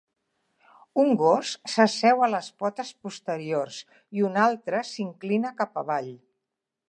Un gos s'asseu a les potes posteriors i un altre s'inclina cap avall.